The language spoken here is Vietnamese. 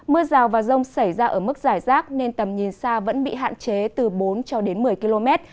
mưa rào và rông xảy ra ở mức giải rác nên tầm nhìn xa vẫn bị hạn chế từ bốn cho đến một mươi km